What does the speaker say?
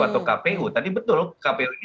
atau kpu tadi betul kpu ini